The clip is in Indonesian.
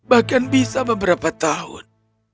bahkan bisa beberapa tahun